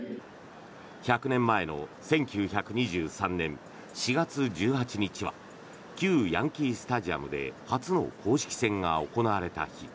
１００年前の１９２３年４月１８日は旧ヤンキー・スタジアムで初の公式戦が行われた日。